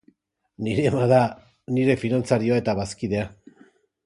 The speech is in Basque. Nire ama da nire finantzarioa eta bazkidea.